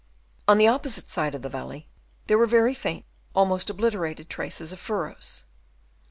On the opposite side of the valley, there were very faint, almost obliterated, traces of furrows.